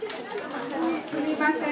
すみません